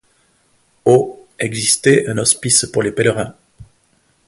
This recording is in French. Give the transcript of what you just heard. Au existait un hospice pour les pèlerins.